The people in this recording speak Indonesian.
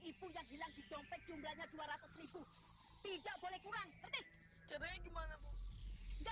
ibu yang hilang di dompet jumlahnya dua ratus tidak boleh kurang